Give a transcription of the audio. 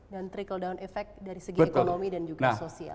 dan menyebabkan efek kekurangan dari segi ekonomi dan sosial